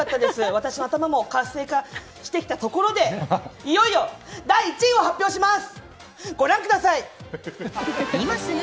私の頭も活性化してきたところでいよいよ第１位を発表します。